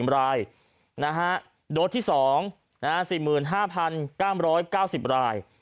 ๑รายโดสที่๒๔๕๙๙๐ราย